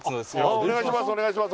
お願いします